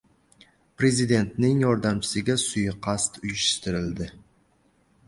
Prezidentning yordamchisiga suiqasd uyushtirildi